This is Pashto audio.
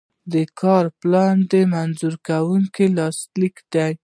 کاري پلان د منظوروونکي لاسلیک لري.